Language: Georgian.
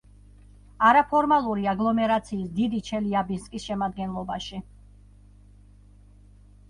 არაფორმალური აგლომერაციის „დიდი ჩელიაბინსკის“ შემადგენლობაში.